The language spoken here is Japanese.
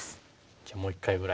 じゃあもう一回ぐらい。